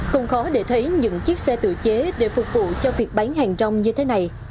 không khó để thấy những chiếc xe tự chế để phục vụ cho việc bán hàng rong như thế này